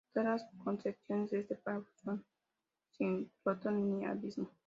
Todas las concesiones de este párrafo son sin piloto ni aviso.